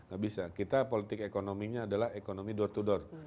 gak bisa kita politik ekonominya adalah ekonomi door to door